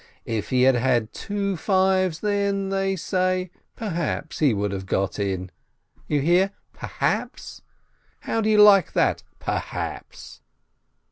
If he had had two fives, then, they say, perhaps he would have got in. You hear — perhaps ! How do you like that perhaps